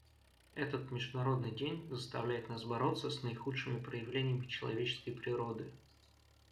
Этот Международный день заставляет нас бороться с наихудшими проявлениями человеческой природы.